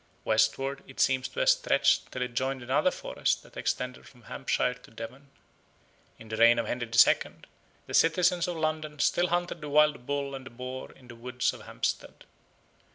Westward it seems to have stretched till it joined another forest that extended from Hampshire to Devon. In the reign of Henry II. the citizens of London still hunted the wild bull and the boar in the woods of Hampstead.